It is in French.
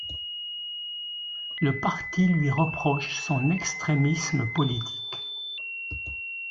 Le parti lui reproche son extrémisme politique.